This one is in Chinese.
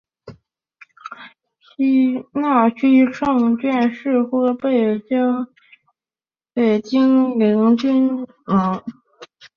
纳希尔圣剑似乎被交给精灵君王。